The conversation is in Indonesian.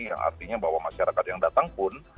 yang artinya bahwa masyarakat yang datang pun